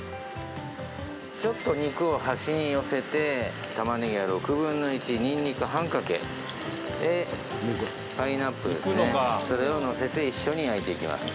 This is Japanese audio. ちょっと肉を端に寄せてたまねぎは６分の１にんにく半かけパイナップルですね、それを載せて一緒に焼いていきます。